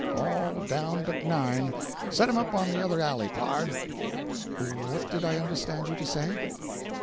"All down but nine—set 'em up on the other alley, pard." "What did I understand you to say?"